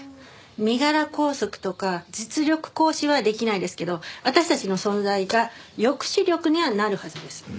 身柄拘束とか実力行使はできないですけど私たちの存在が抑止力にはなるはずです。